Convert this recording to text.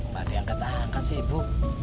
badi yang ketahankan sih ibu